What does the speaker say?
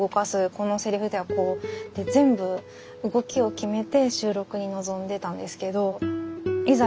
このセリフではこうって全部動きを決めて収録に臨んでたんですけどいざ